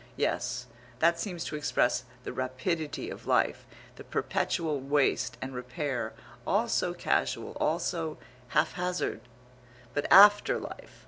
Yes, that seems to express the rapidity of life, the perpetual waste and repair; all so casual, all so haphazard.... But after life.